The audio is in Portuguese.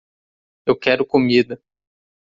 Eu quero comida.